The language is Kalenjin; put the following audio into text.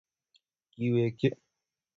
Kiwekchi